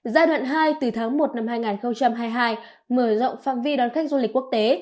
giai đoạn hai từ tháng một năm hai nghìn hai mươi hai mở rộng phạm vi đón khách du lịch quốc tế